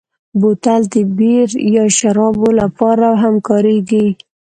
بوتل د بیر یا شرابو لپاره هم کارېږي.